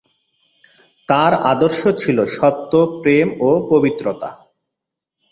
তাঁর আদর্শ ছিল সত্য, প্রেম ও পবিত্রতা।